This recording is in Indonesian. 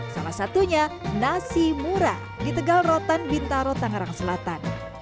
salah satunya nasi murah di tegal rotan bintaro tangerang selatan